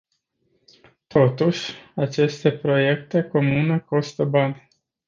Totuși, aceste proiecte comune costă bani.